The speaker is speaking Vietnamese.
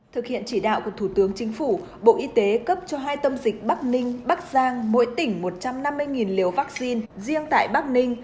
thực hiện chỉ đạo của thủ tướng chính phủ bộ y tế cấp cho hai tâm dịch bắc ninh bắc giang mỗi tỉnh một trăm năm mươi liều vaccine riêng tại bắc ninh